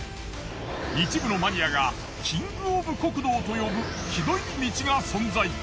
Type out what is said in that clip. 一部のマニアがキングオブ酷道と呼ぶ酷い道が存在。